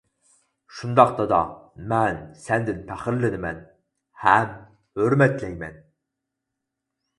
-شۇنداق دادا، مەن سەندىن پەخىرلىنىمەن ھەم ھۆرمەتلەيمەن.